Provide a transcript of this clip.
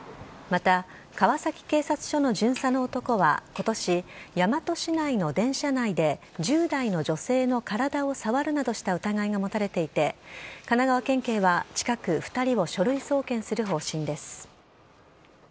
また川崎警察署の巡査の男は今年大和市内の電車内で１０代の女性の体を触るなどした疑いが持たれていて神奈川県警は近く２人を書類送検する方針です。